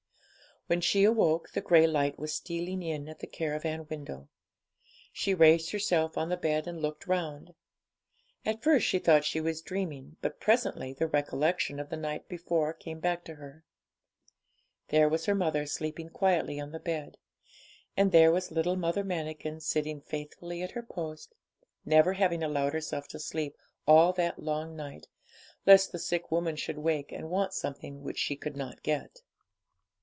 When she awoke, the grey light was stealing in at the caravan window. She raised herself on the bed and looked round. At first she thought she was dreaming, but presently the recollection of the night before came back to her. There was her mother sleeping quietly on the bed, and there was little Mother Manikin sitting faithfully at her post, never having allowed herself to sleep all that long night, lest the sick woman should wake and want something which she could not get.